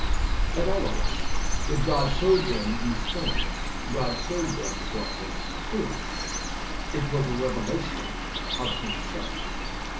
At all events, if God showed them these things, God showed them what was true. It was a revelation of himself.